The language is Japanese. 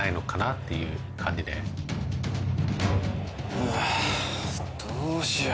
うわどうしよう。